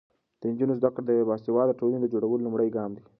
د نجونو زده کړه د یوې باسواده ټولنې د جوړولو لومړی ګام دی.